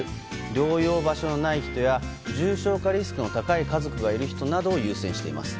療養場所がない人や重症化リスクの高い家族がいる人などを優先しています。